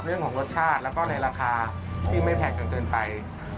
เรื่องของรสชาติแล้วก็ในราคาที่ไม่แพงจนเกินไป